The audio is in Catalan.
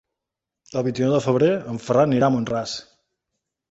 El vint-i-nou de febrer en Ferran anirà a Mont-ras.